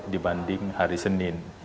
dibanding hari senin